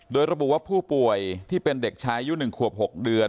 โดยระบุว่าผู้ป่วยที่เป็นเด็กชายอายุ๑ขวบ๖เดือน